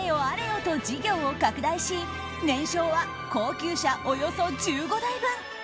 あれよと事業を拡大し年商は高級車およそ１５台分。